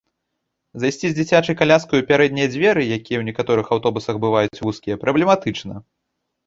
Зайсці з дзіцячай каляскай у пярэднія дзверы, якія ў некаторых аўтобусах бываюць вузкія, праблематычна.